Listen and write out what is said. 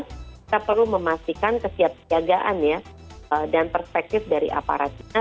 kita perlu memastikan kesiapsiagaan ya dan perspektif dari aparatnya